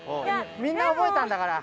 みんな覚えたんだから。